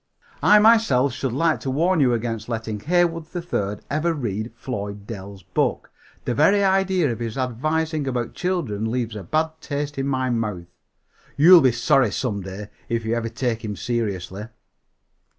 "I myself should like to warn you against letting Heywood 3rd ever read Floyd Dell's book. The very idea of his advising about children leaves a bad taste in the mouth. You'll be sorry some day if you ever take him seriously."